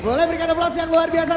boleh berikan aplaus yang luar biasa